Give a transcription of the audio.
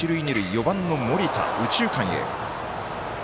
４番の森田、右中間へ。